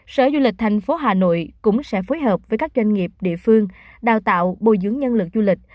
sở du lịch thành phố hà nội cũng sẽ phối hợp với các doanh nghiệp địa phương đào tạo bồi dưỡng nhân lực du lịch